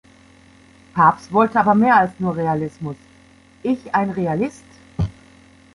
Pabst wollte aber mehr als nur „Realismus“: "„Ich ein Realist?